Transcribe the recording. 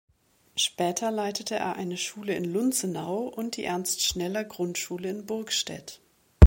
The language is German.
Später leitete er eine Schule in Lunzenau und die „Ernst-Schneller-Grundschule“ in Burgstädt.